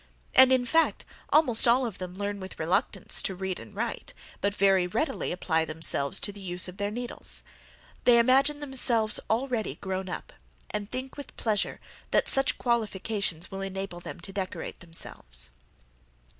And, in fact, almost all of them learn with reluctance to read and write; but very readily apply themselves to the use of their needles. They imagine themselves already grown up, and think with pleasure that such qualifications will enable them to decorate themselves."